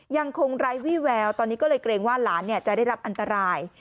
ยังคงไร้วี่แววตอนนี้ก็เลยเกรงว่าหลานจะได้รับอันตราย